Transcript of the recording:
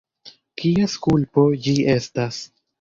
Kies kulpo ĝi estas?